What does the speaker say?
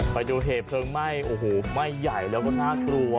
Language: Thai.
ไปดูเหตุเพลิงไหม้โอ้โหไหม้ใหญ่แล้วก็น่ากลัว